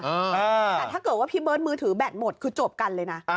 แต่ถ้าเกิดว่าพี่เบิร์ตมือถือแบตหมดคือจบกันเลยนะ